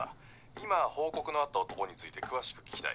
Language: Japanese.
今報告のあった男について詳しく聞きたい。